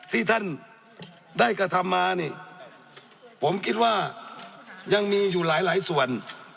ที่ท่านได้กระทำมานี่ผมคิดว่ายังมีอยู่หลายหลายส่วน